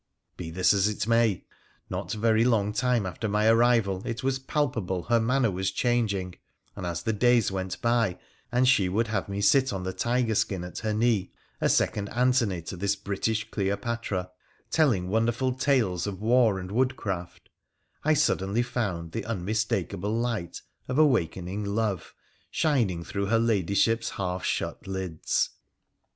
Bo thi3 a,s it may, no very long time after my arrival it wai palpable 48 WONDERFUL ADVENTURES OF her manner was changing ; and as the days went by, and she would have me sit on the tiger skin at her knee, a second Antony to this British Cleopatra, telling wonderful tales ol war and woodcraft, I presently found the unmistakable light of awakening love shining through her Ladyship's half shut lids.